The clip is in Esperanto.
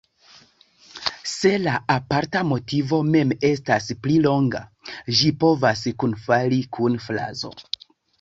Se la aparta motivo mem estas pli longa, ĝi povas kunfali kun frazo.